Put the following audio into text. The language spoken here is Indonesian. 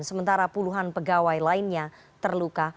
sementara puluhan pegawai lainnya terluka